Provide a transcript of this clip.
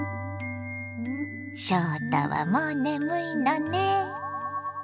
翔太はもう眠いのね。